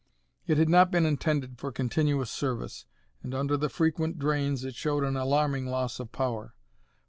It had not been intended for continuous service, and under the frequent drains it showed an alarming loss of power.